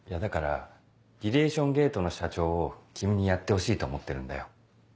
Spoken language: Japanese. だからリレーション・ゲートの社長を君にやってほしいと思ってるんだよ。